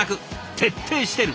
徹底してる。